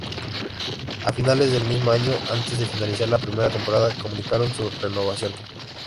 A finales del mismo año, antes de finalizar la primera temporada, comunicaron su renovación.